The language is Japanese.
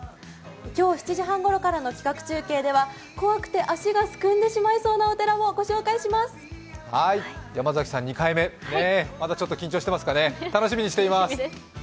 今日７時半ごろからの比較中継では、怖くて足がすくんでしまいそうなお寺を山崎さん、２回目、まだ緊張してますかね、期待しています。